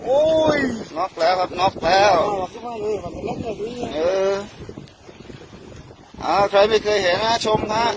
น็อกแล้วครับน็อกแล้วเออเอาใครไม่เคยเห็นฮะชมนะฮะ